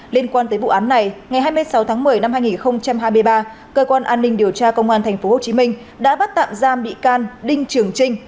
liên quan tới vụ án này ngày hai mươi sáu tháng một mươi năm hai nghìn hai mươi ba cơ quan an ninh điều tra công an tp hcm đã bắt tạm giam bị can đinh trường trinh